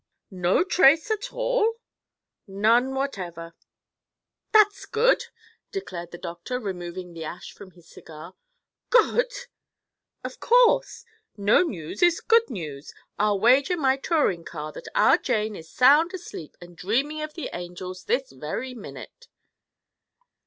"No trace at all?" "None, whatever." "That's good," declared the doctor, removing the ash from his cigar. "Good!" "Of course. No news is good news. I'll wager my new touring car that our Jane is sound asleep and dreaming of the angels, this very minute."